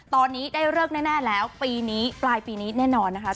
ตอนนี้ได้เลิกแน่แล้วปีนี้ปลายปีนี้แน่นอนนะคะ